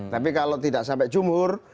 tapi kalau tidak sampai jumur